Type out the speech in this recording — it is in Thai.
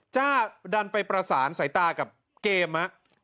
จ้าดันไปประสานสายตากับเกม